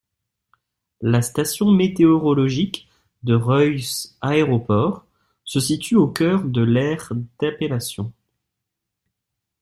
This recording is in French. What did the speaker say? La station météorologique de Reus-aéroport se situe au cœur de l'aire d'appellation.